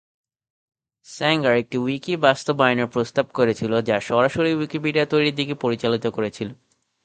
Sanger একটি wiki বাস্তবায়নের প্রস্তাব করেছিল, যা সরাসরি উইকিপিডিয়া তৈরির দিকে পরিচালিত করেছিল।